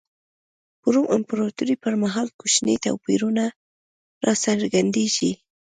په روم امپراتورۍ پر مهال کوچني توپیرونه را څرګندېږي.